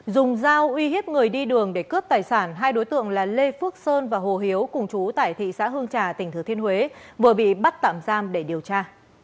dùng dao uy hiếp người đi đường để cướp tài sản hai đối tượng là lê phước sơn và hồ hiếu cùng chú tại thị xã hương trà tỉnh thừa thiên huế vừa bị bắt tạm giam để điều tra